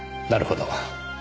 なるほど。